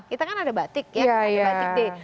kita kan ada batik ya batik batik deh